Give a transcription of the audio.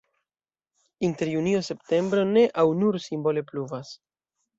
Inter junio-septembro ne aŭ nur simbole pluvas.